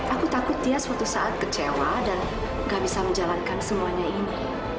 aku takut dia suatu saat kecewa dan gak bisa menjalankan semuanya ini